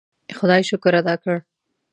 خدای شکر ادا کړ.